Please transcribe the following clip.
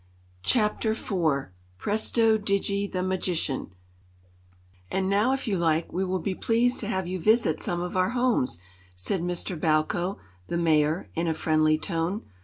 Chapter IV Presto Digi, the Magician "AND now, if you like, we will be pleased to have you visit some of our houses," said Mr. Bowko, the Mayor, in a friendly tone.